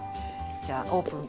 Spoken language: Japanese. じゃあオープン。